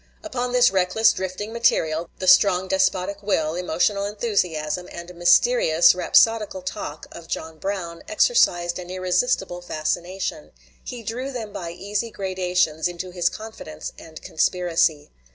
Upon this reckless, drifting material the strong despotic will, emotional enthusiasm, and mysterious rhapsodical talk of John Brown exercised an irresistible fascination; he drew them by easy gradations into his confidence and conspiracy.